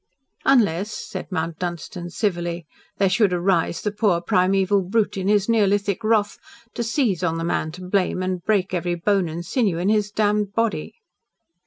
"Unless," said Mount Dunstan civilly, "there should arise the poor, primeval brute, in his neolithic wrath, to seize on the man to blame, and break every bone and sinew in his damned body."